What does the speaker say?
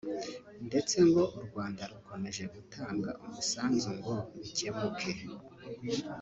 ndetse ngo u Rwanda rukomeje gutanga umusanzu ngo bikemuke